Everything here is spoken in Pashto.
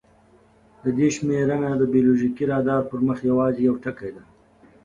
د دې شمېرنه د بایولوژیکي رادار پر مخ یواځې یو ټکی دی.